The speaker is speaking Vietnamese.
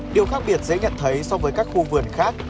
điều khác biệt dễ nhận thấy so với các khu vườn khác